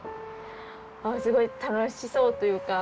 すごい楽しそうというか